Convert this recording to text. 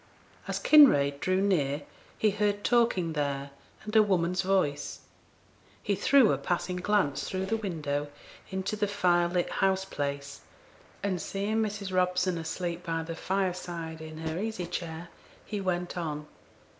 As Kinraid drew near he heard talking there, and a woman's voice; he threw a passing glance through the window into the fire lit house place, and seeing Mrs. Robson asleep by the fireside in her easy chair, he went on.